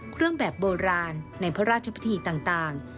เครื่องแบบโบราณในพระราชพิธีต่าง